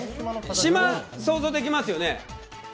島、想像できますよね？